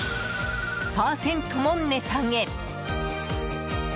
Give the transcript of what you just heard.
％も値下げ！